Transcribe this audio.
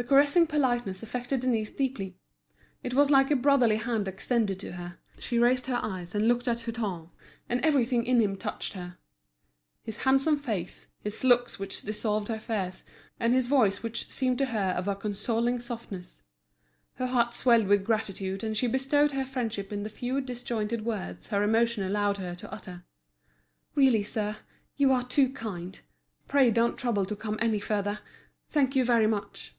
This caressing politeness affected Denise deeply. It was like a brotherly hand extended to her; she raised her eyes and looked at Hutin, and everything in him touched her—his handsome face, his looks which dissolved her fears, and his voice which seemed to her of a consoling softness. Her heart swelled with gratitude, and she bestowed her friendship in the few disjointed words her emotion allowed her to utter. "Really, sir, you are too kind. Pray don't trouble to come any further. Thank you very much."